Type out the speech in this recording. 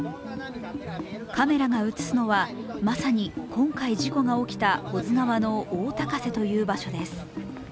カメラが映すのはまさに今回事故が起きた保津川の大高瀬という場所です。